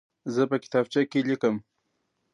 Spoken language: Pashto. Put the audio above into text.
زه په کتابچه کې لیکم.